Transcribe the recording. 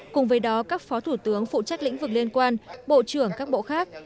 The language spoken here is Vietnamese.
cùng với đó các phó thủ tướng phụ trách lĩnh vực liên quan bộ trưởng các bộ khác